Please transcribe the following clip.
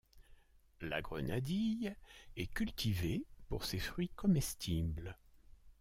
La grenadille est cultivée pour ses fruits comestibles.